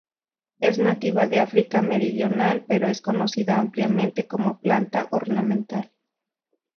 Es nativa de África meridional, pero es conocida ampliamente como planta ornamental.